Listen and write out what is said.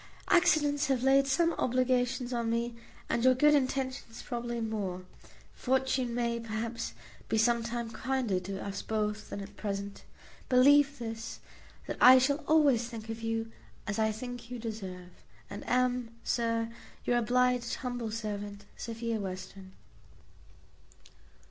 Accidents have laid some obligations on me, and your good intentions probably more. Fortune may, perhaps, be some time kinder to us both than at present. Believe this, that I shall always think of you as I think you deserve, and am, Sir, your obliged humble servant, Sophia Western.